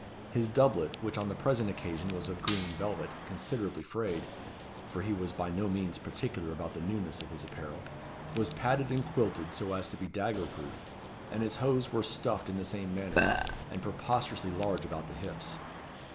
His doublet, which on the present occasion was of green velvet, considerably frayed, for he was by no means particular about the newness of his apparel, was padded and quilted so as to be dagger proof; and his hose were stuffed in the same manner, and preposterously large about the hips.